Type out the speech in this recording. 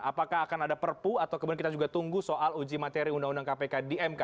apakah akan ada perpu atau kemudian kita juga tunggu soal uji materi undang undang kpk di mk